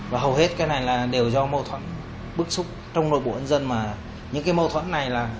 và hầu hết cái này là đều do mâu thuẫn bức xúc trong nội bộ nhân dân mà những cái mâu thuẫn này là